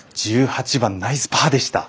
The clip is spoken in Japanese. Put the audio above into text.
１８番、ナイスパーでした。